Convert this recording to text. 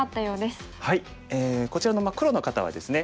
こちらの黒の方はですね